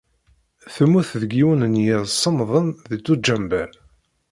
Temmut deg yiwen n yiḍ semmḍen n duǧember.